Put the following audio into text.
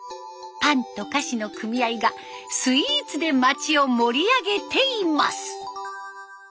パンと菓子の組合がスイーツで町を盛り上げています。